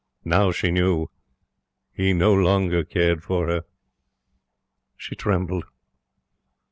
Now she knew. He no longer cared for her. She trembled.